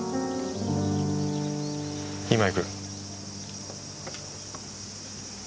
今行く。